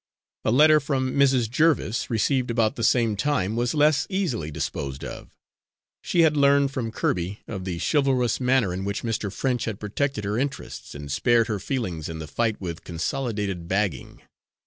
A letter from Mrs. Jerviss, received about the same time, was less easily disposed of. She had learned, from Kirby, of the chivalrous manner in which Mr. French had protected her interests and spared her feelings in the fight with Consolidated Bagging.